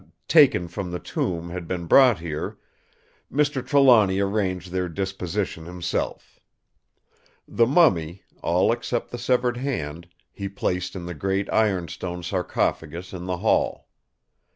—taken from the tomb had been brought here, Mr. Trelawny arranged their disposition himself. The mummy, all except the severed hand, he placed in the great ironstone sarcophagus in the hall.